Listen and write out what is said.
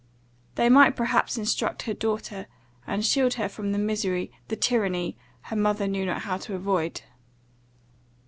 They might perhaps instruct her daughter, and shield her from the misery, the tyranny, her mother knew not how to avoid.